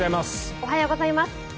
おはようございます。